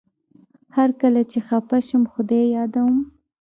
هر کله چي خپه شم خدای يادوم